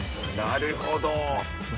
なるほど。